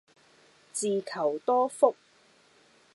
自求多福